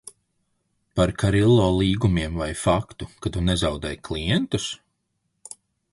Par Karillo līgumiem vai faktu, ka tu nezaudē klientus?